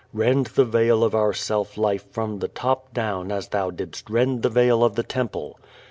Rend the veil of our self life from the top down as Thou didst rend the veil of the Temple.